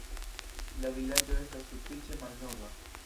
La vilaĝo estas sufiĉe malnova.